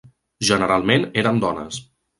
Generalment eren dones.